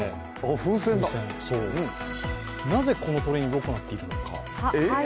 風船、なぜこのトレーニングを行っているのか。